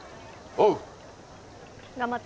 おう。